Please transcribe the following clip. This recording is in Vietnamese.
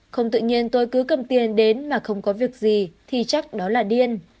không tự nhiên tôi cứ cầm tiền đến mà không có việc gì thì chắc đó là điên